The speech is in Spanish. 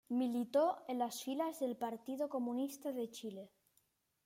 Militó en las filas del Partido Comunista de Chile.